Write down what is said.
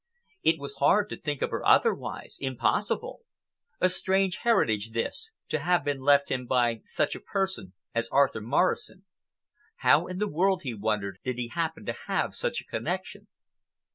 It was hard to think of her otherwise—impossible. A strange heritage, this, to have been left him by such a person as Arthur Morrison. How in the world, he wondered, did he happen to have such a connection.